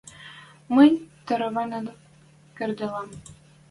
Мӹнь тӓрвӓненӓт кердделам.